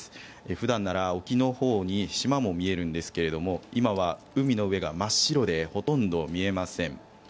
普段なら沖のほうに島も見えるんですが今は海の上が真っ白でほとんど見えません。